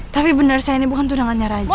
tapi benar saya ini bukan tunangannya raja